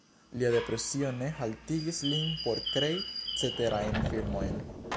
Lia depresio ne haltigis lin por krei ceterajn filmojn.